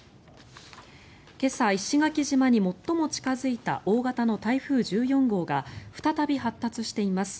今朝、石垣島に最も近付いた大型の台風１４号が再び発達しています。